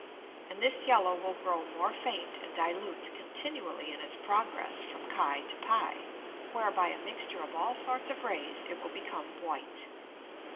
And this yellow will grow more faint and dilute continually in its progress from [Greek: ch] to [Greek: p], where by a mixture of all sorts of Rays it will become white.